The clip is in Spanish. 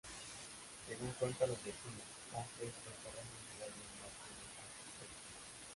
Según cuentan los vecinos, antes los terrenos no valían más que unos cuantos pesos.